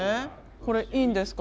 これいいんですか？